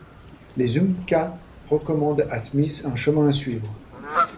Les Umpqua recommandent à Smith un chemin à suivre.